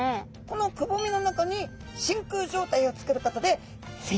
このくぼみの中に真空状態をつくることです